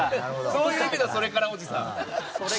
そういう意味のそれからおじさんですね。